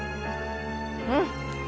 うん。